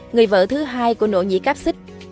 người vợ thứ hai của nội nhị cáp xích